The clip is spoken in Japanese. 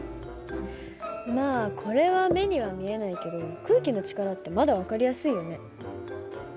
まあこれは目には見えないけど空気の力ってまだ分かりやすいよね。